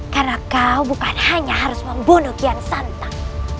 karena kau bukan hanya harus membunuh kian santak